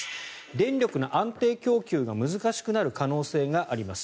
電力の安定供給が難しくなる可能性があります。